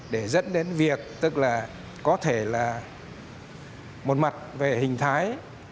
để dẫn đến việc tức là có thể là một mặt về hình thái